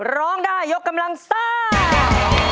ร้องได้ยกกำลังซ่า